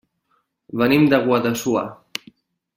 Venim de Guadassuar.